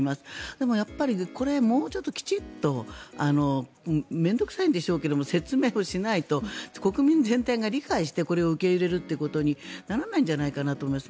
でも、これもうちょっときちっと面倒臭いんでしょうけど説明をしないと国民全体が理解してこれを受け入れるということにならないんじゃないかなと思います。